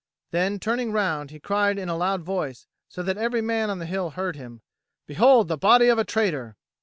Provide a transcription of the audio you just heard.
Then, turning round, he cried in a loud voice, so that every man on the hill heard him, "Behold the body of a traitor!"